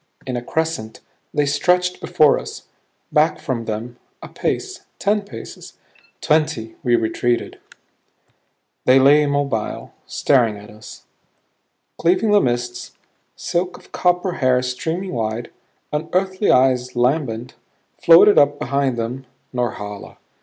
In a crescent, they stretched before us. Back from them, a pace, ten paces, twenty, we retreated. They lay immobile staring at us. Cleaving the mists, silk of copper hair streaming wide, unearthly eyes lambent, floated up behind them Norhala.